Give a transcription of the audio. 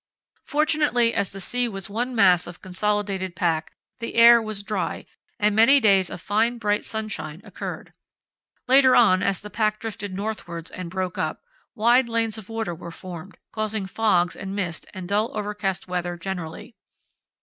Fortunately, as the sea was one mass of consolidated pack, the air was dry, and many days of fine bright sunshine occurred. Later on, as the pack drifted northwards and broke up, wide lanes of water were formed, causing fogs and mist and dull overcast weather generally.